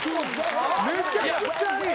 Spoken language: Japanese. めちゃくちゃいい！